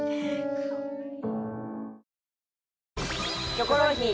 『キョコロヒー』